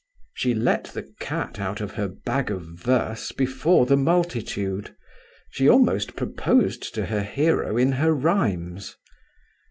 She let the cat out of her bag of verse before the multitude; she almost proposed to her hero in her rhymes.